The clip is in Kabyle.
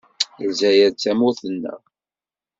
Lezzayer d tamurt-nneɣ.